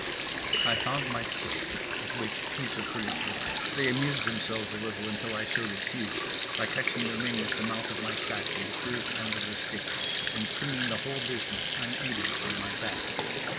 I found my stick, at which "piece of furniture" they amused themselves a little until I showed its use, by catching the ring at the mouth of my sack in the curved end of the stick and swinging the whole business unaided on my back.